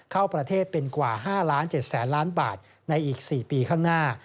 เข้าประเทศเป็นกว่า๕๗๐๐๐ล้านบาทในอีก๔ปีข้างหน้า